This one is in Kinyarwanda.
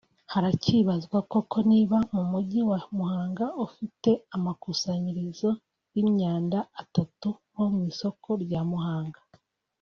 Haracyibazwa koko niba mu Mujyi wa Muhanga ufite amakusanyirizo y’imyanda atatu nko ku isoko rya Muhanga